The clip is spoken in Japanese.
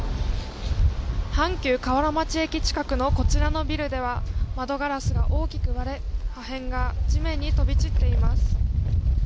阪急河原町駅近くのこちらのビルでは窓ガラスが大きく割れ破片が地面に飛び散っています。